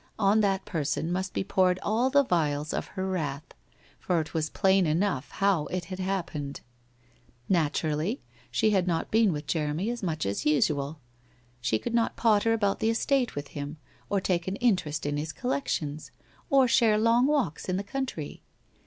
On that person must be poured all the vials of her wrath, for it was plain enough how it had happened! Naturally, she had not been with Jeremy as much as usual. She could not potter about the estate with him, or take an interest in his collections, or share long walks in the country.